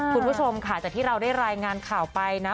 คุณผู้ชมค่ะจากที่เราได้รายงานข่าวไปนะ